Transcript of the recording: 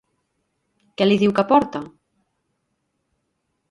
Què li diu que porta?